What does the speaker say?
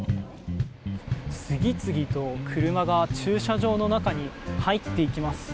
次々と車が駐車場の中に入っていきます。